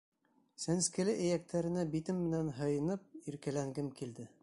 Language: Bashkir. Сәнскеле эйәктәренә битем менән һыйынып иркәләнгем килде.